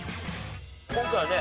今回はね